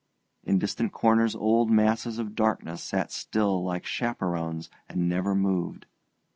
In distant corners old masses of darkness sat still like chaperones and never moved.